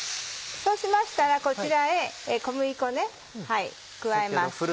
そうしましたらこちらへ小麦粉加えます。